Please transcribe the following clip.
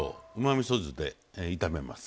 みそ酢で炒めます。